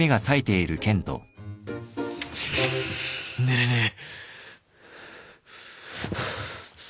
寝れねえ。